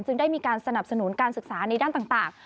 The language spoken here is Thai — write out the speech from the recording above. ได้มีการสนับสนุนการศึกษาในด้านต่าง